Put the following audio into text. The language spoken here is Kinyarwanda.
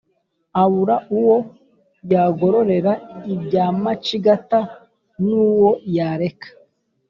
abura uwo yagororera ibya macigata n'uwo yareka